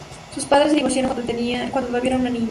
Sus padres se divorciaron cuando todavía era una niña.